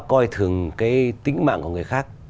coi thường cái tính mạng của người khác